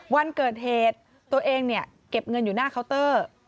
วันเกิดเหตุตัวเองเนี่ยเก็บเงินอยู่หน้าเคาน์เตอร์